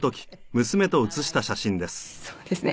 そうですね。